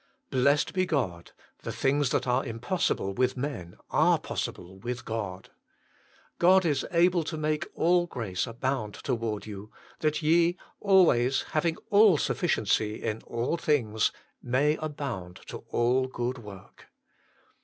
Blessed be God " The things that are impossible with men are possible with God "!" God is able to make all grace abound toward you, that ye, always having all sufficiency in all things, may abound to all good work."